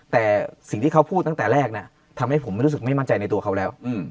แต่สิ่งที่เขาพูดตั้งแต่แรกทำให้ผมไม่รู้สึกไม่มั่นใจในตัวเขาแล้ว